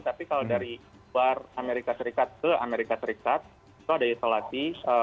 tapi kalau dari luar amerika serikat ke amerika serikat itu ada isolasi